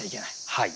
はい。